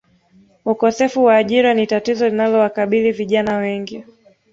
Ukosefu wa ajira ni tatizo linalowakabili vijana wengi